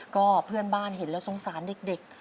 ก็เพื่อนบ้านเห็นแล้วสงสารเด็ก